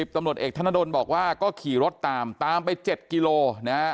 ตำรวจเอกธนดลบอกว่าก็ขี่รถตามตามไป๗กิโลนะฮะ